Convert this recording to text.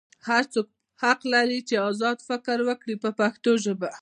هر څوک حق لري چې ازاد فکر وکړي په پښتو ژبه.